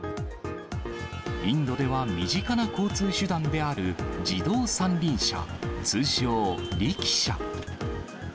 インドでは身近な交通手段である自動三輪車、通称、リキシャ。